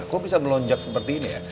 kok bisa melonjak seperti ini ya